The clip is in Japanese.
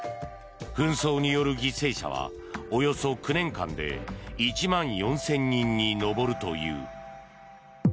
紛争による犠牲者はおよそ９年間で１万４０００人に上るという。